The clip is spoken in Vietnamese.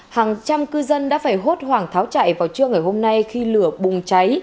hàng trăm cư dân đã phải hốt hoảng tháo chạy vào trưa ngày hôm nay khi lửa bùng cháy